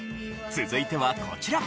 続いてはこちら。